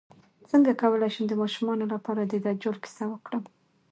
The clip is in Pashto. څنګه کولی شم د ماشومانو لپاره د دجال کیسه وکړم